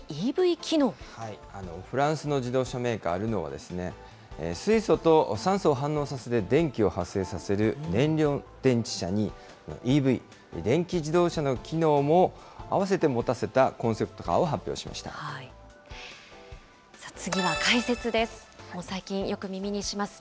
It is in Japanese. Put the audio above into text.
フランスの自動車メーカー、ルノーは、水素と酸素を反応させて、電気を発生させる燃料電池車に、ＥＶ・電気自動車の機能も併せて持たせたコンセプトカーを発表し次は解説です。